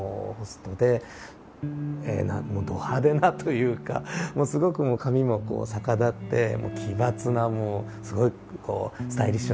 もうど派手なというかすごく髪もこう逆立って奇抜なもうすごくこうスタイリッシュなというか。